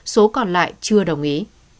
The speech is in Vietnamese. số còn lại chưa đồng ý